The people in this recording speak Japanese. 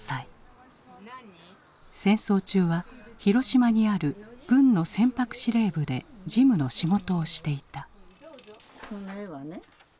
戦争中は広島にある軍の船舶司令部で事務の仕事をしていた。